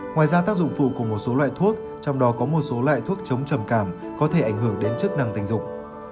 ngoài ra tác dụng phụ của một số loại thuốc trong đó có một số loại thuốc chống trầm cảm có thể ảnh hưởng đến chức năng tình dục